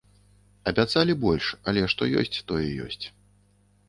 Абяцалі больш, але што ёсць, тое ёсць.